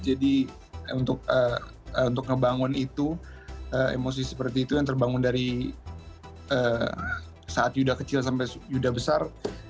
jadi untuk ngebangun itu emosi seperti itu yang terbangun dari saat yuda kecil sampai yuda besar